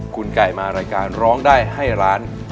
คุณไก่มารายการร้องได้ให้ล้าน